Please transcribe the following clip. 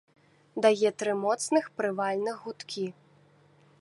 Дае тры моцных прывальных гудкі.